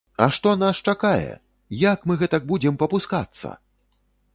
А што нас чакае, як мы гэтак будзем папускацца?!